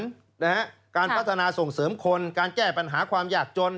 นะฮะการพัฒนาส่งเสริมคนการแก้ปัญหาความยากจน